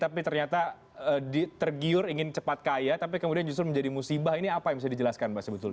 tapi ternyata tergiur ingin cepat kaya tapi kemudian justru menjadi musibah ini apa yang bisa dijelaskan pak sebetulnya